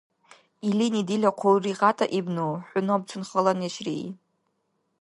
Илини дила хъулри гъятӀаибну, хӀу набцун хала неш рии.